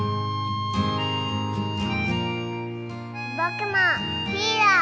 ぼくもヒーロー。